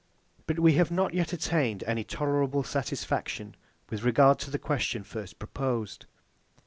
But we have not yet attained any tolerable satisfaction with regard to the question first proposed.